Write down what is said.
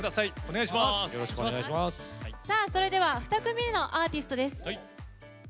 それでは、２組目のアーティストです。